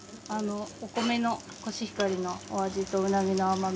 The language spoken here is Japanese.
お米のコシヒカリのお味とうなぎの甘味で。